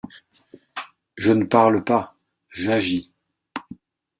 Je ne parle pas, j’agis.